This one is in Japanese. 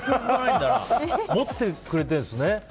持ってくれてるんですね。